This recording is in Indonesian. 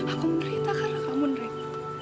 aku menerita karena kamu nerik